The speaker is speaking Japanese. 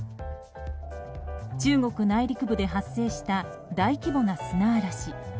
中国内陸部で発生した大規模な砂嵐。